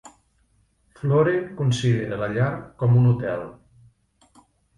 Flore considera la llar com un hotel.